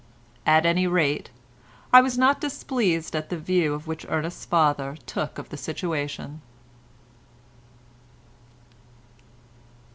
At any rate, I was not displeased at the view which Ernest's father took of the situation.